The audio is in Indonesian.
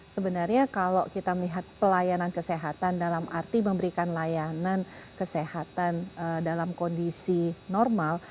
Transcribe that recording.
sebenarnya kalau kita melihat pelayanan kesehatan dalam arti memberikan layanan kesehatan dalam kondisi normal